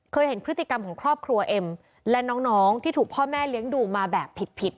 เห็นพฤติกรรมของครอบครัวเอ็มและน้องที่ถูกพ่อแม่เลี้ยงดูมาแบบผิด